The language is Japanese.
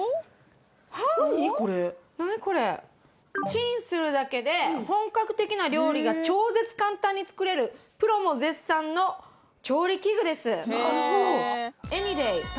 「チンするだけで本格的な料理が超絶簡単に作れるプロも絶賛の調理器具です」